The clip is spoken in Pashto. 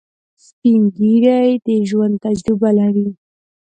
سپین ږیری د ژوند تجربه لري